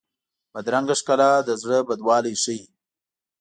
بدرنګه ښکلا د زړه بدوالی ښيي